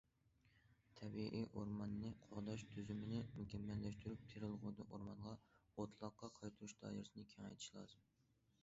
تەبىئىي ئورماننى قوغداش تۈزۈمىنى مۇكەممەللەشتۈرۈپ، تېرىلغۇدىن ئورمانغا، ئوتلاققا قايتۇرۇش دائىرىسىنى كېڭەيتىش لازىم.